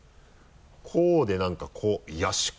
こうで何かこういや四国。